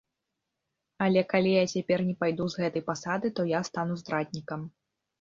Але калі я цяпер не пайду з гэтай пасады, то я стану здраднікам.